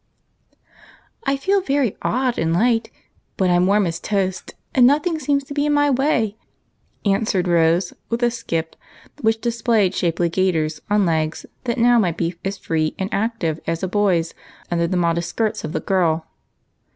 "I feel very odd and light, but I'm warm as a toast, and nothing seems to be in my way," answered Rose, with ^ skip which displayed shapely gaiters on legs that now might be as free and active as a boy's under the modest skirts of the girl.